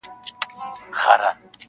لومړی ملګری د ډاکټرانو-